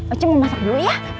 oce mau masak dulu ya